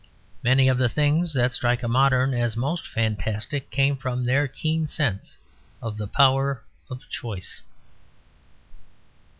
Many of the things that strike a modern as most fantastic came from their keen sense of the power of choice.